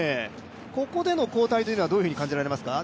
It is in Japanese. ここでの交代というのはどういうふうに感じられますか？